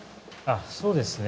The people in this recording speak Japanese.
そうですね。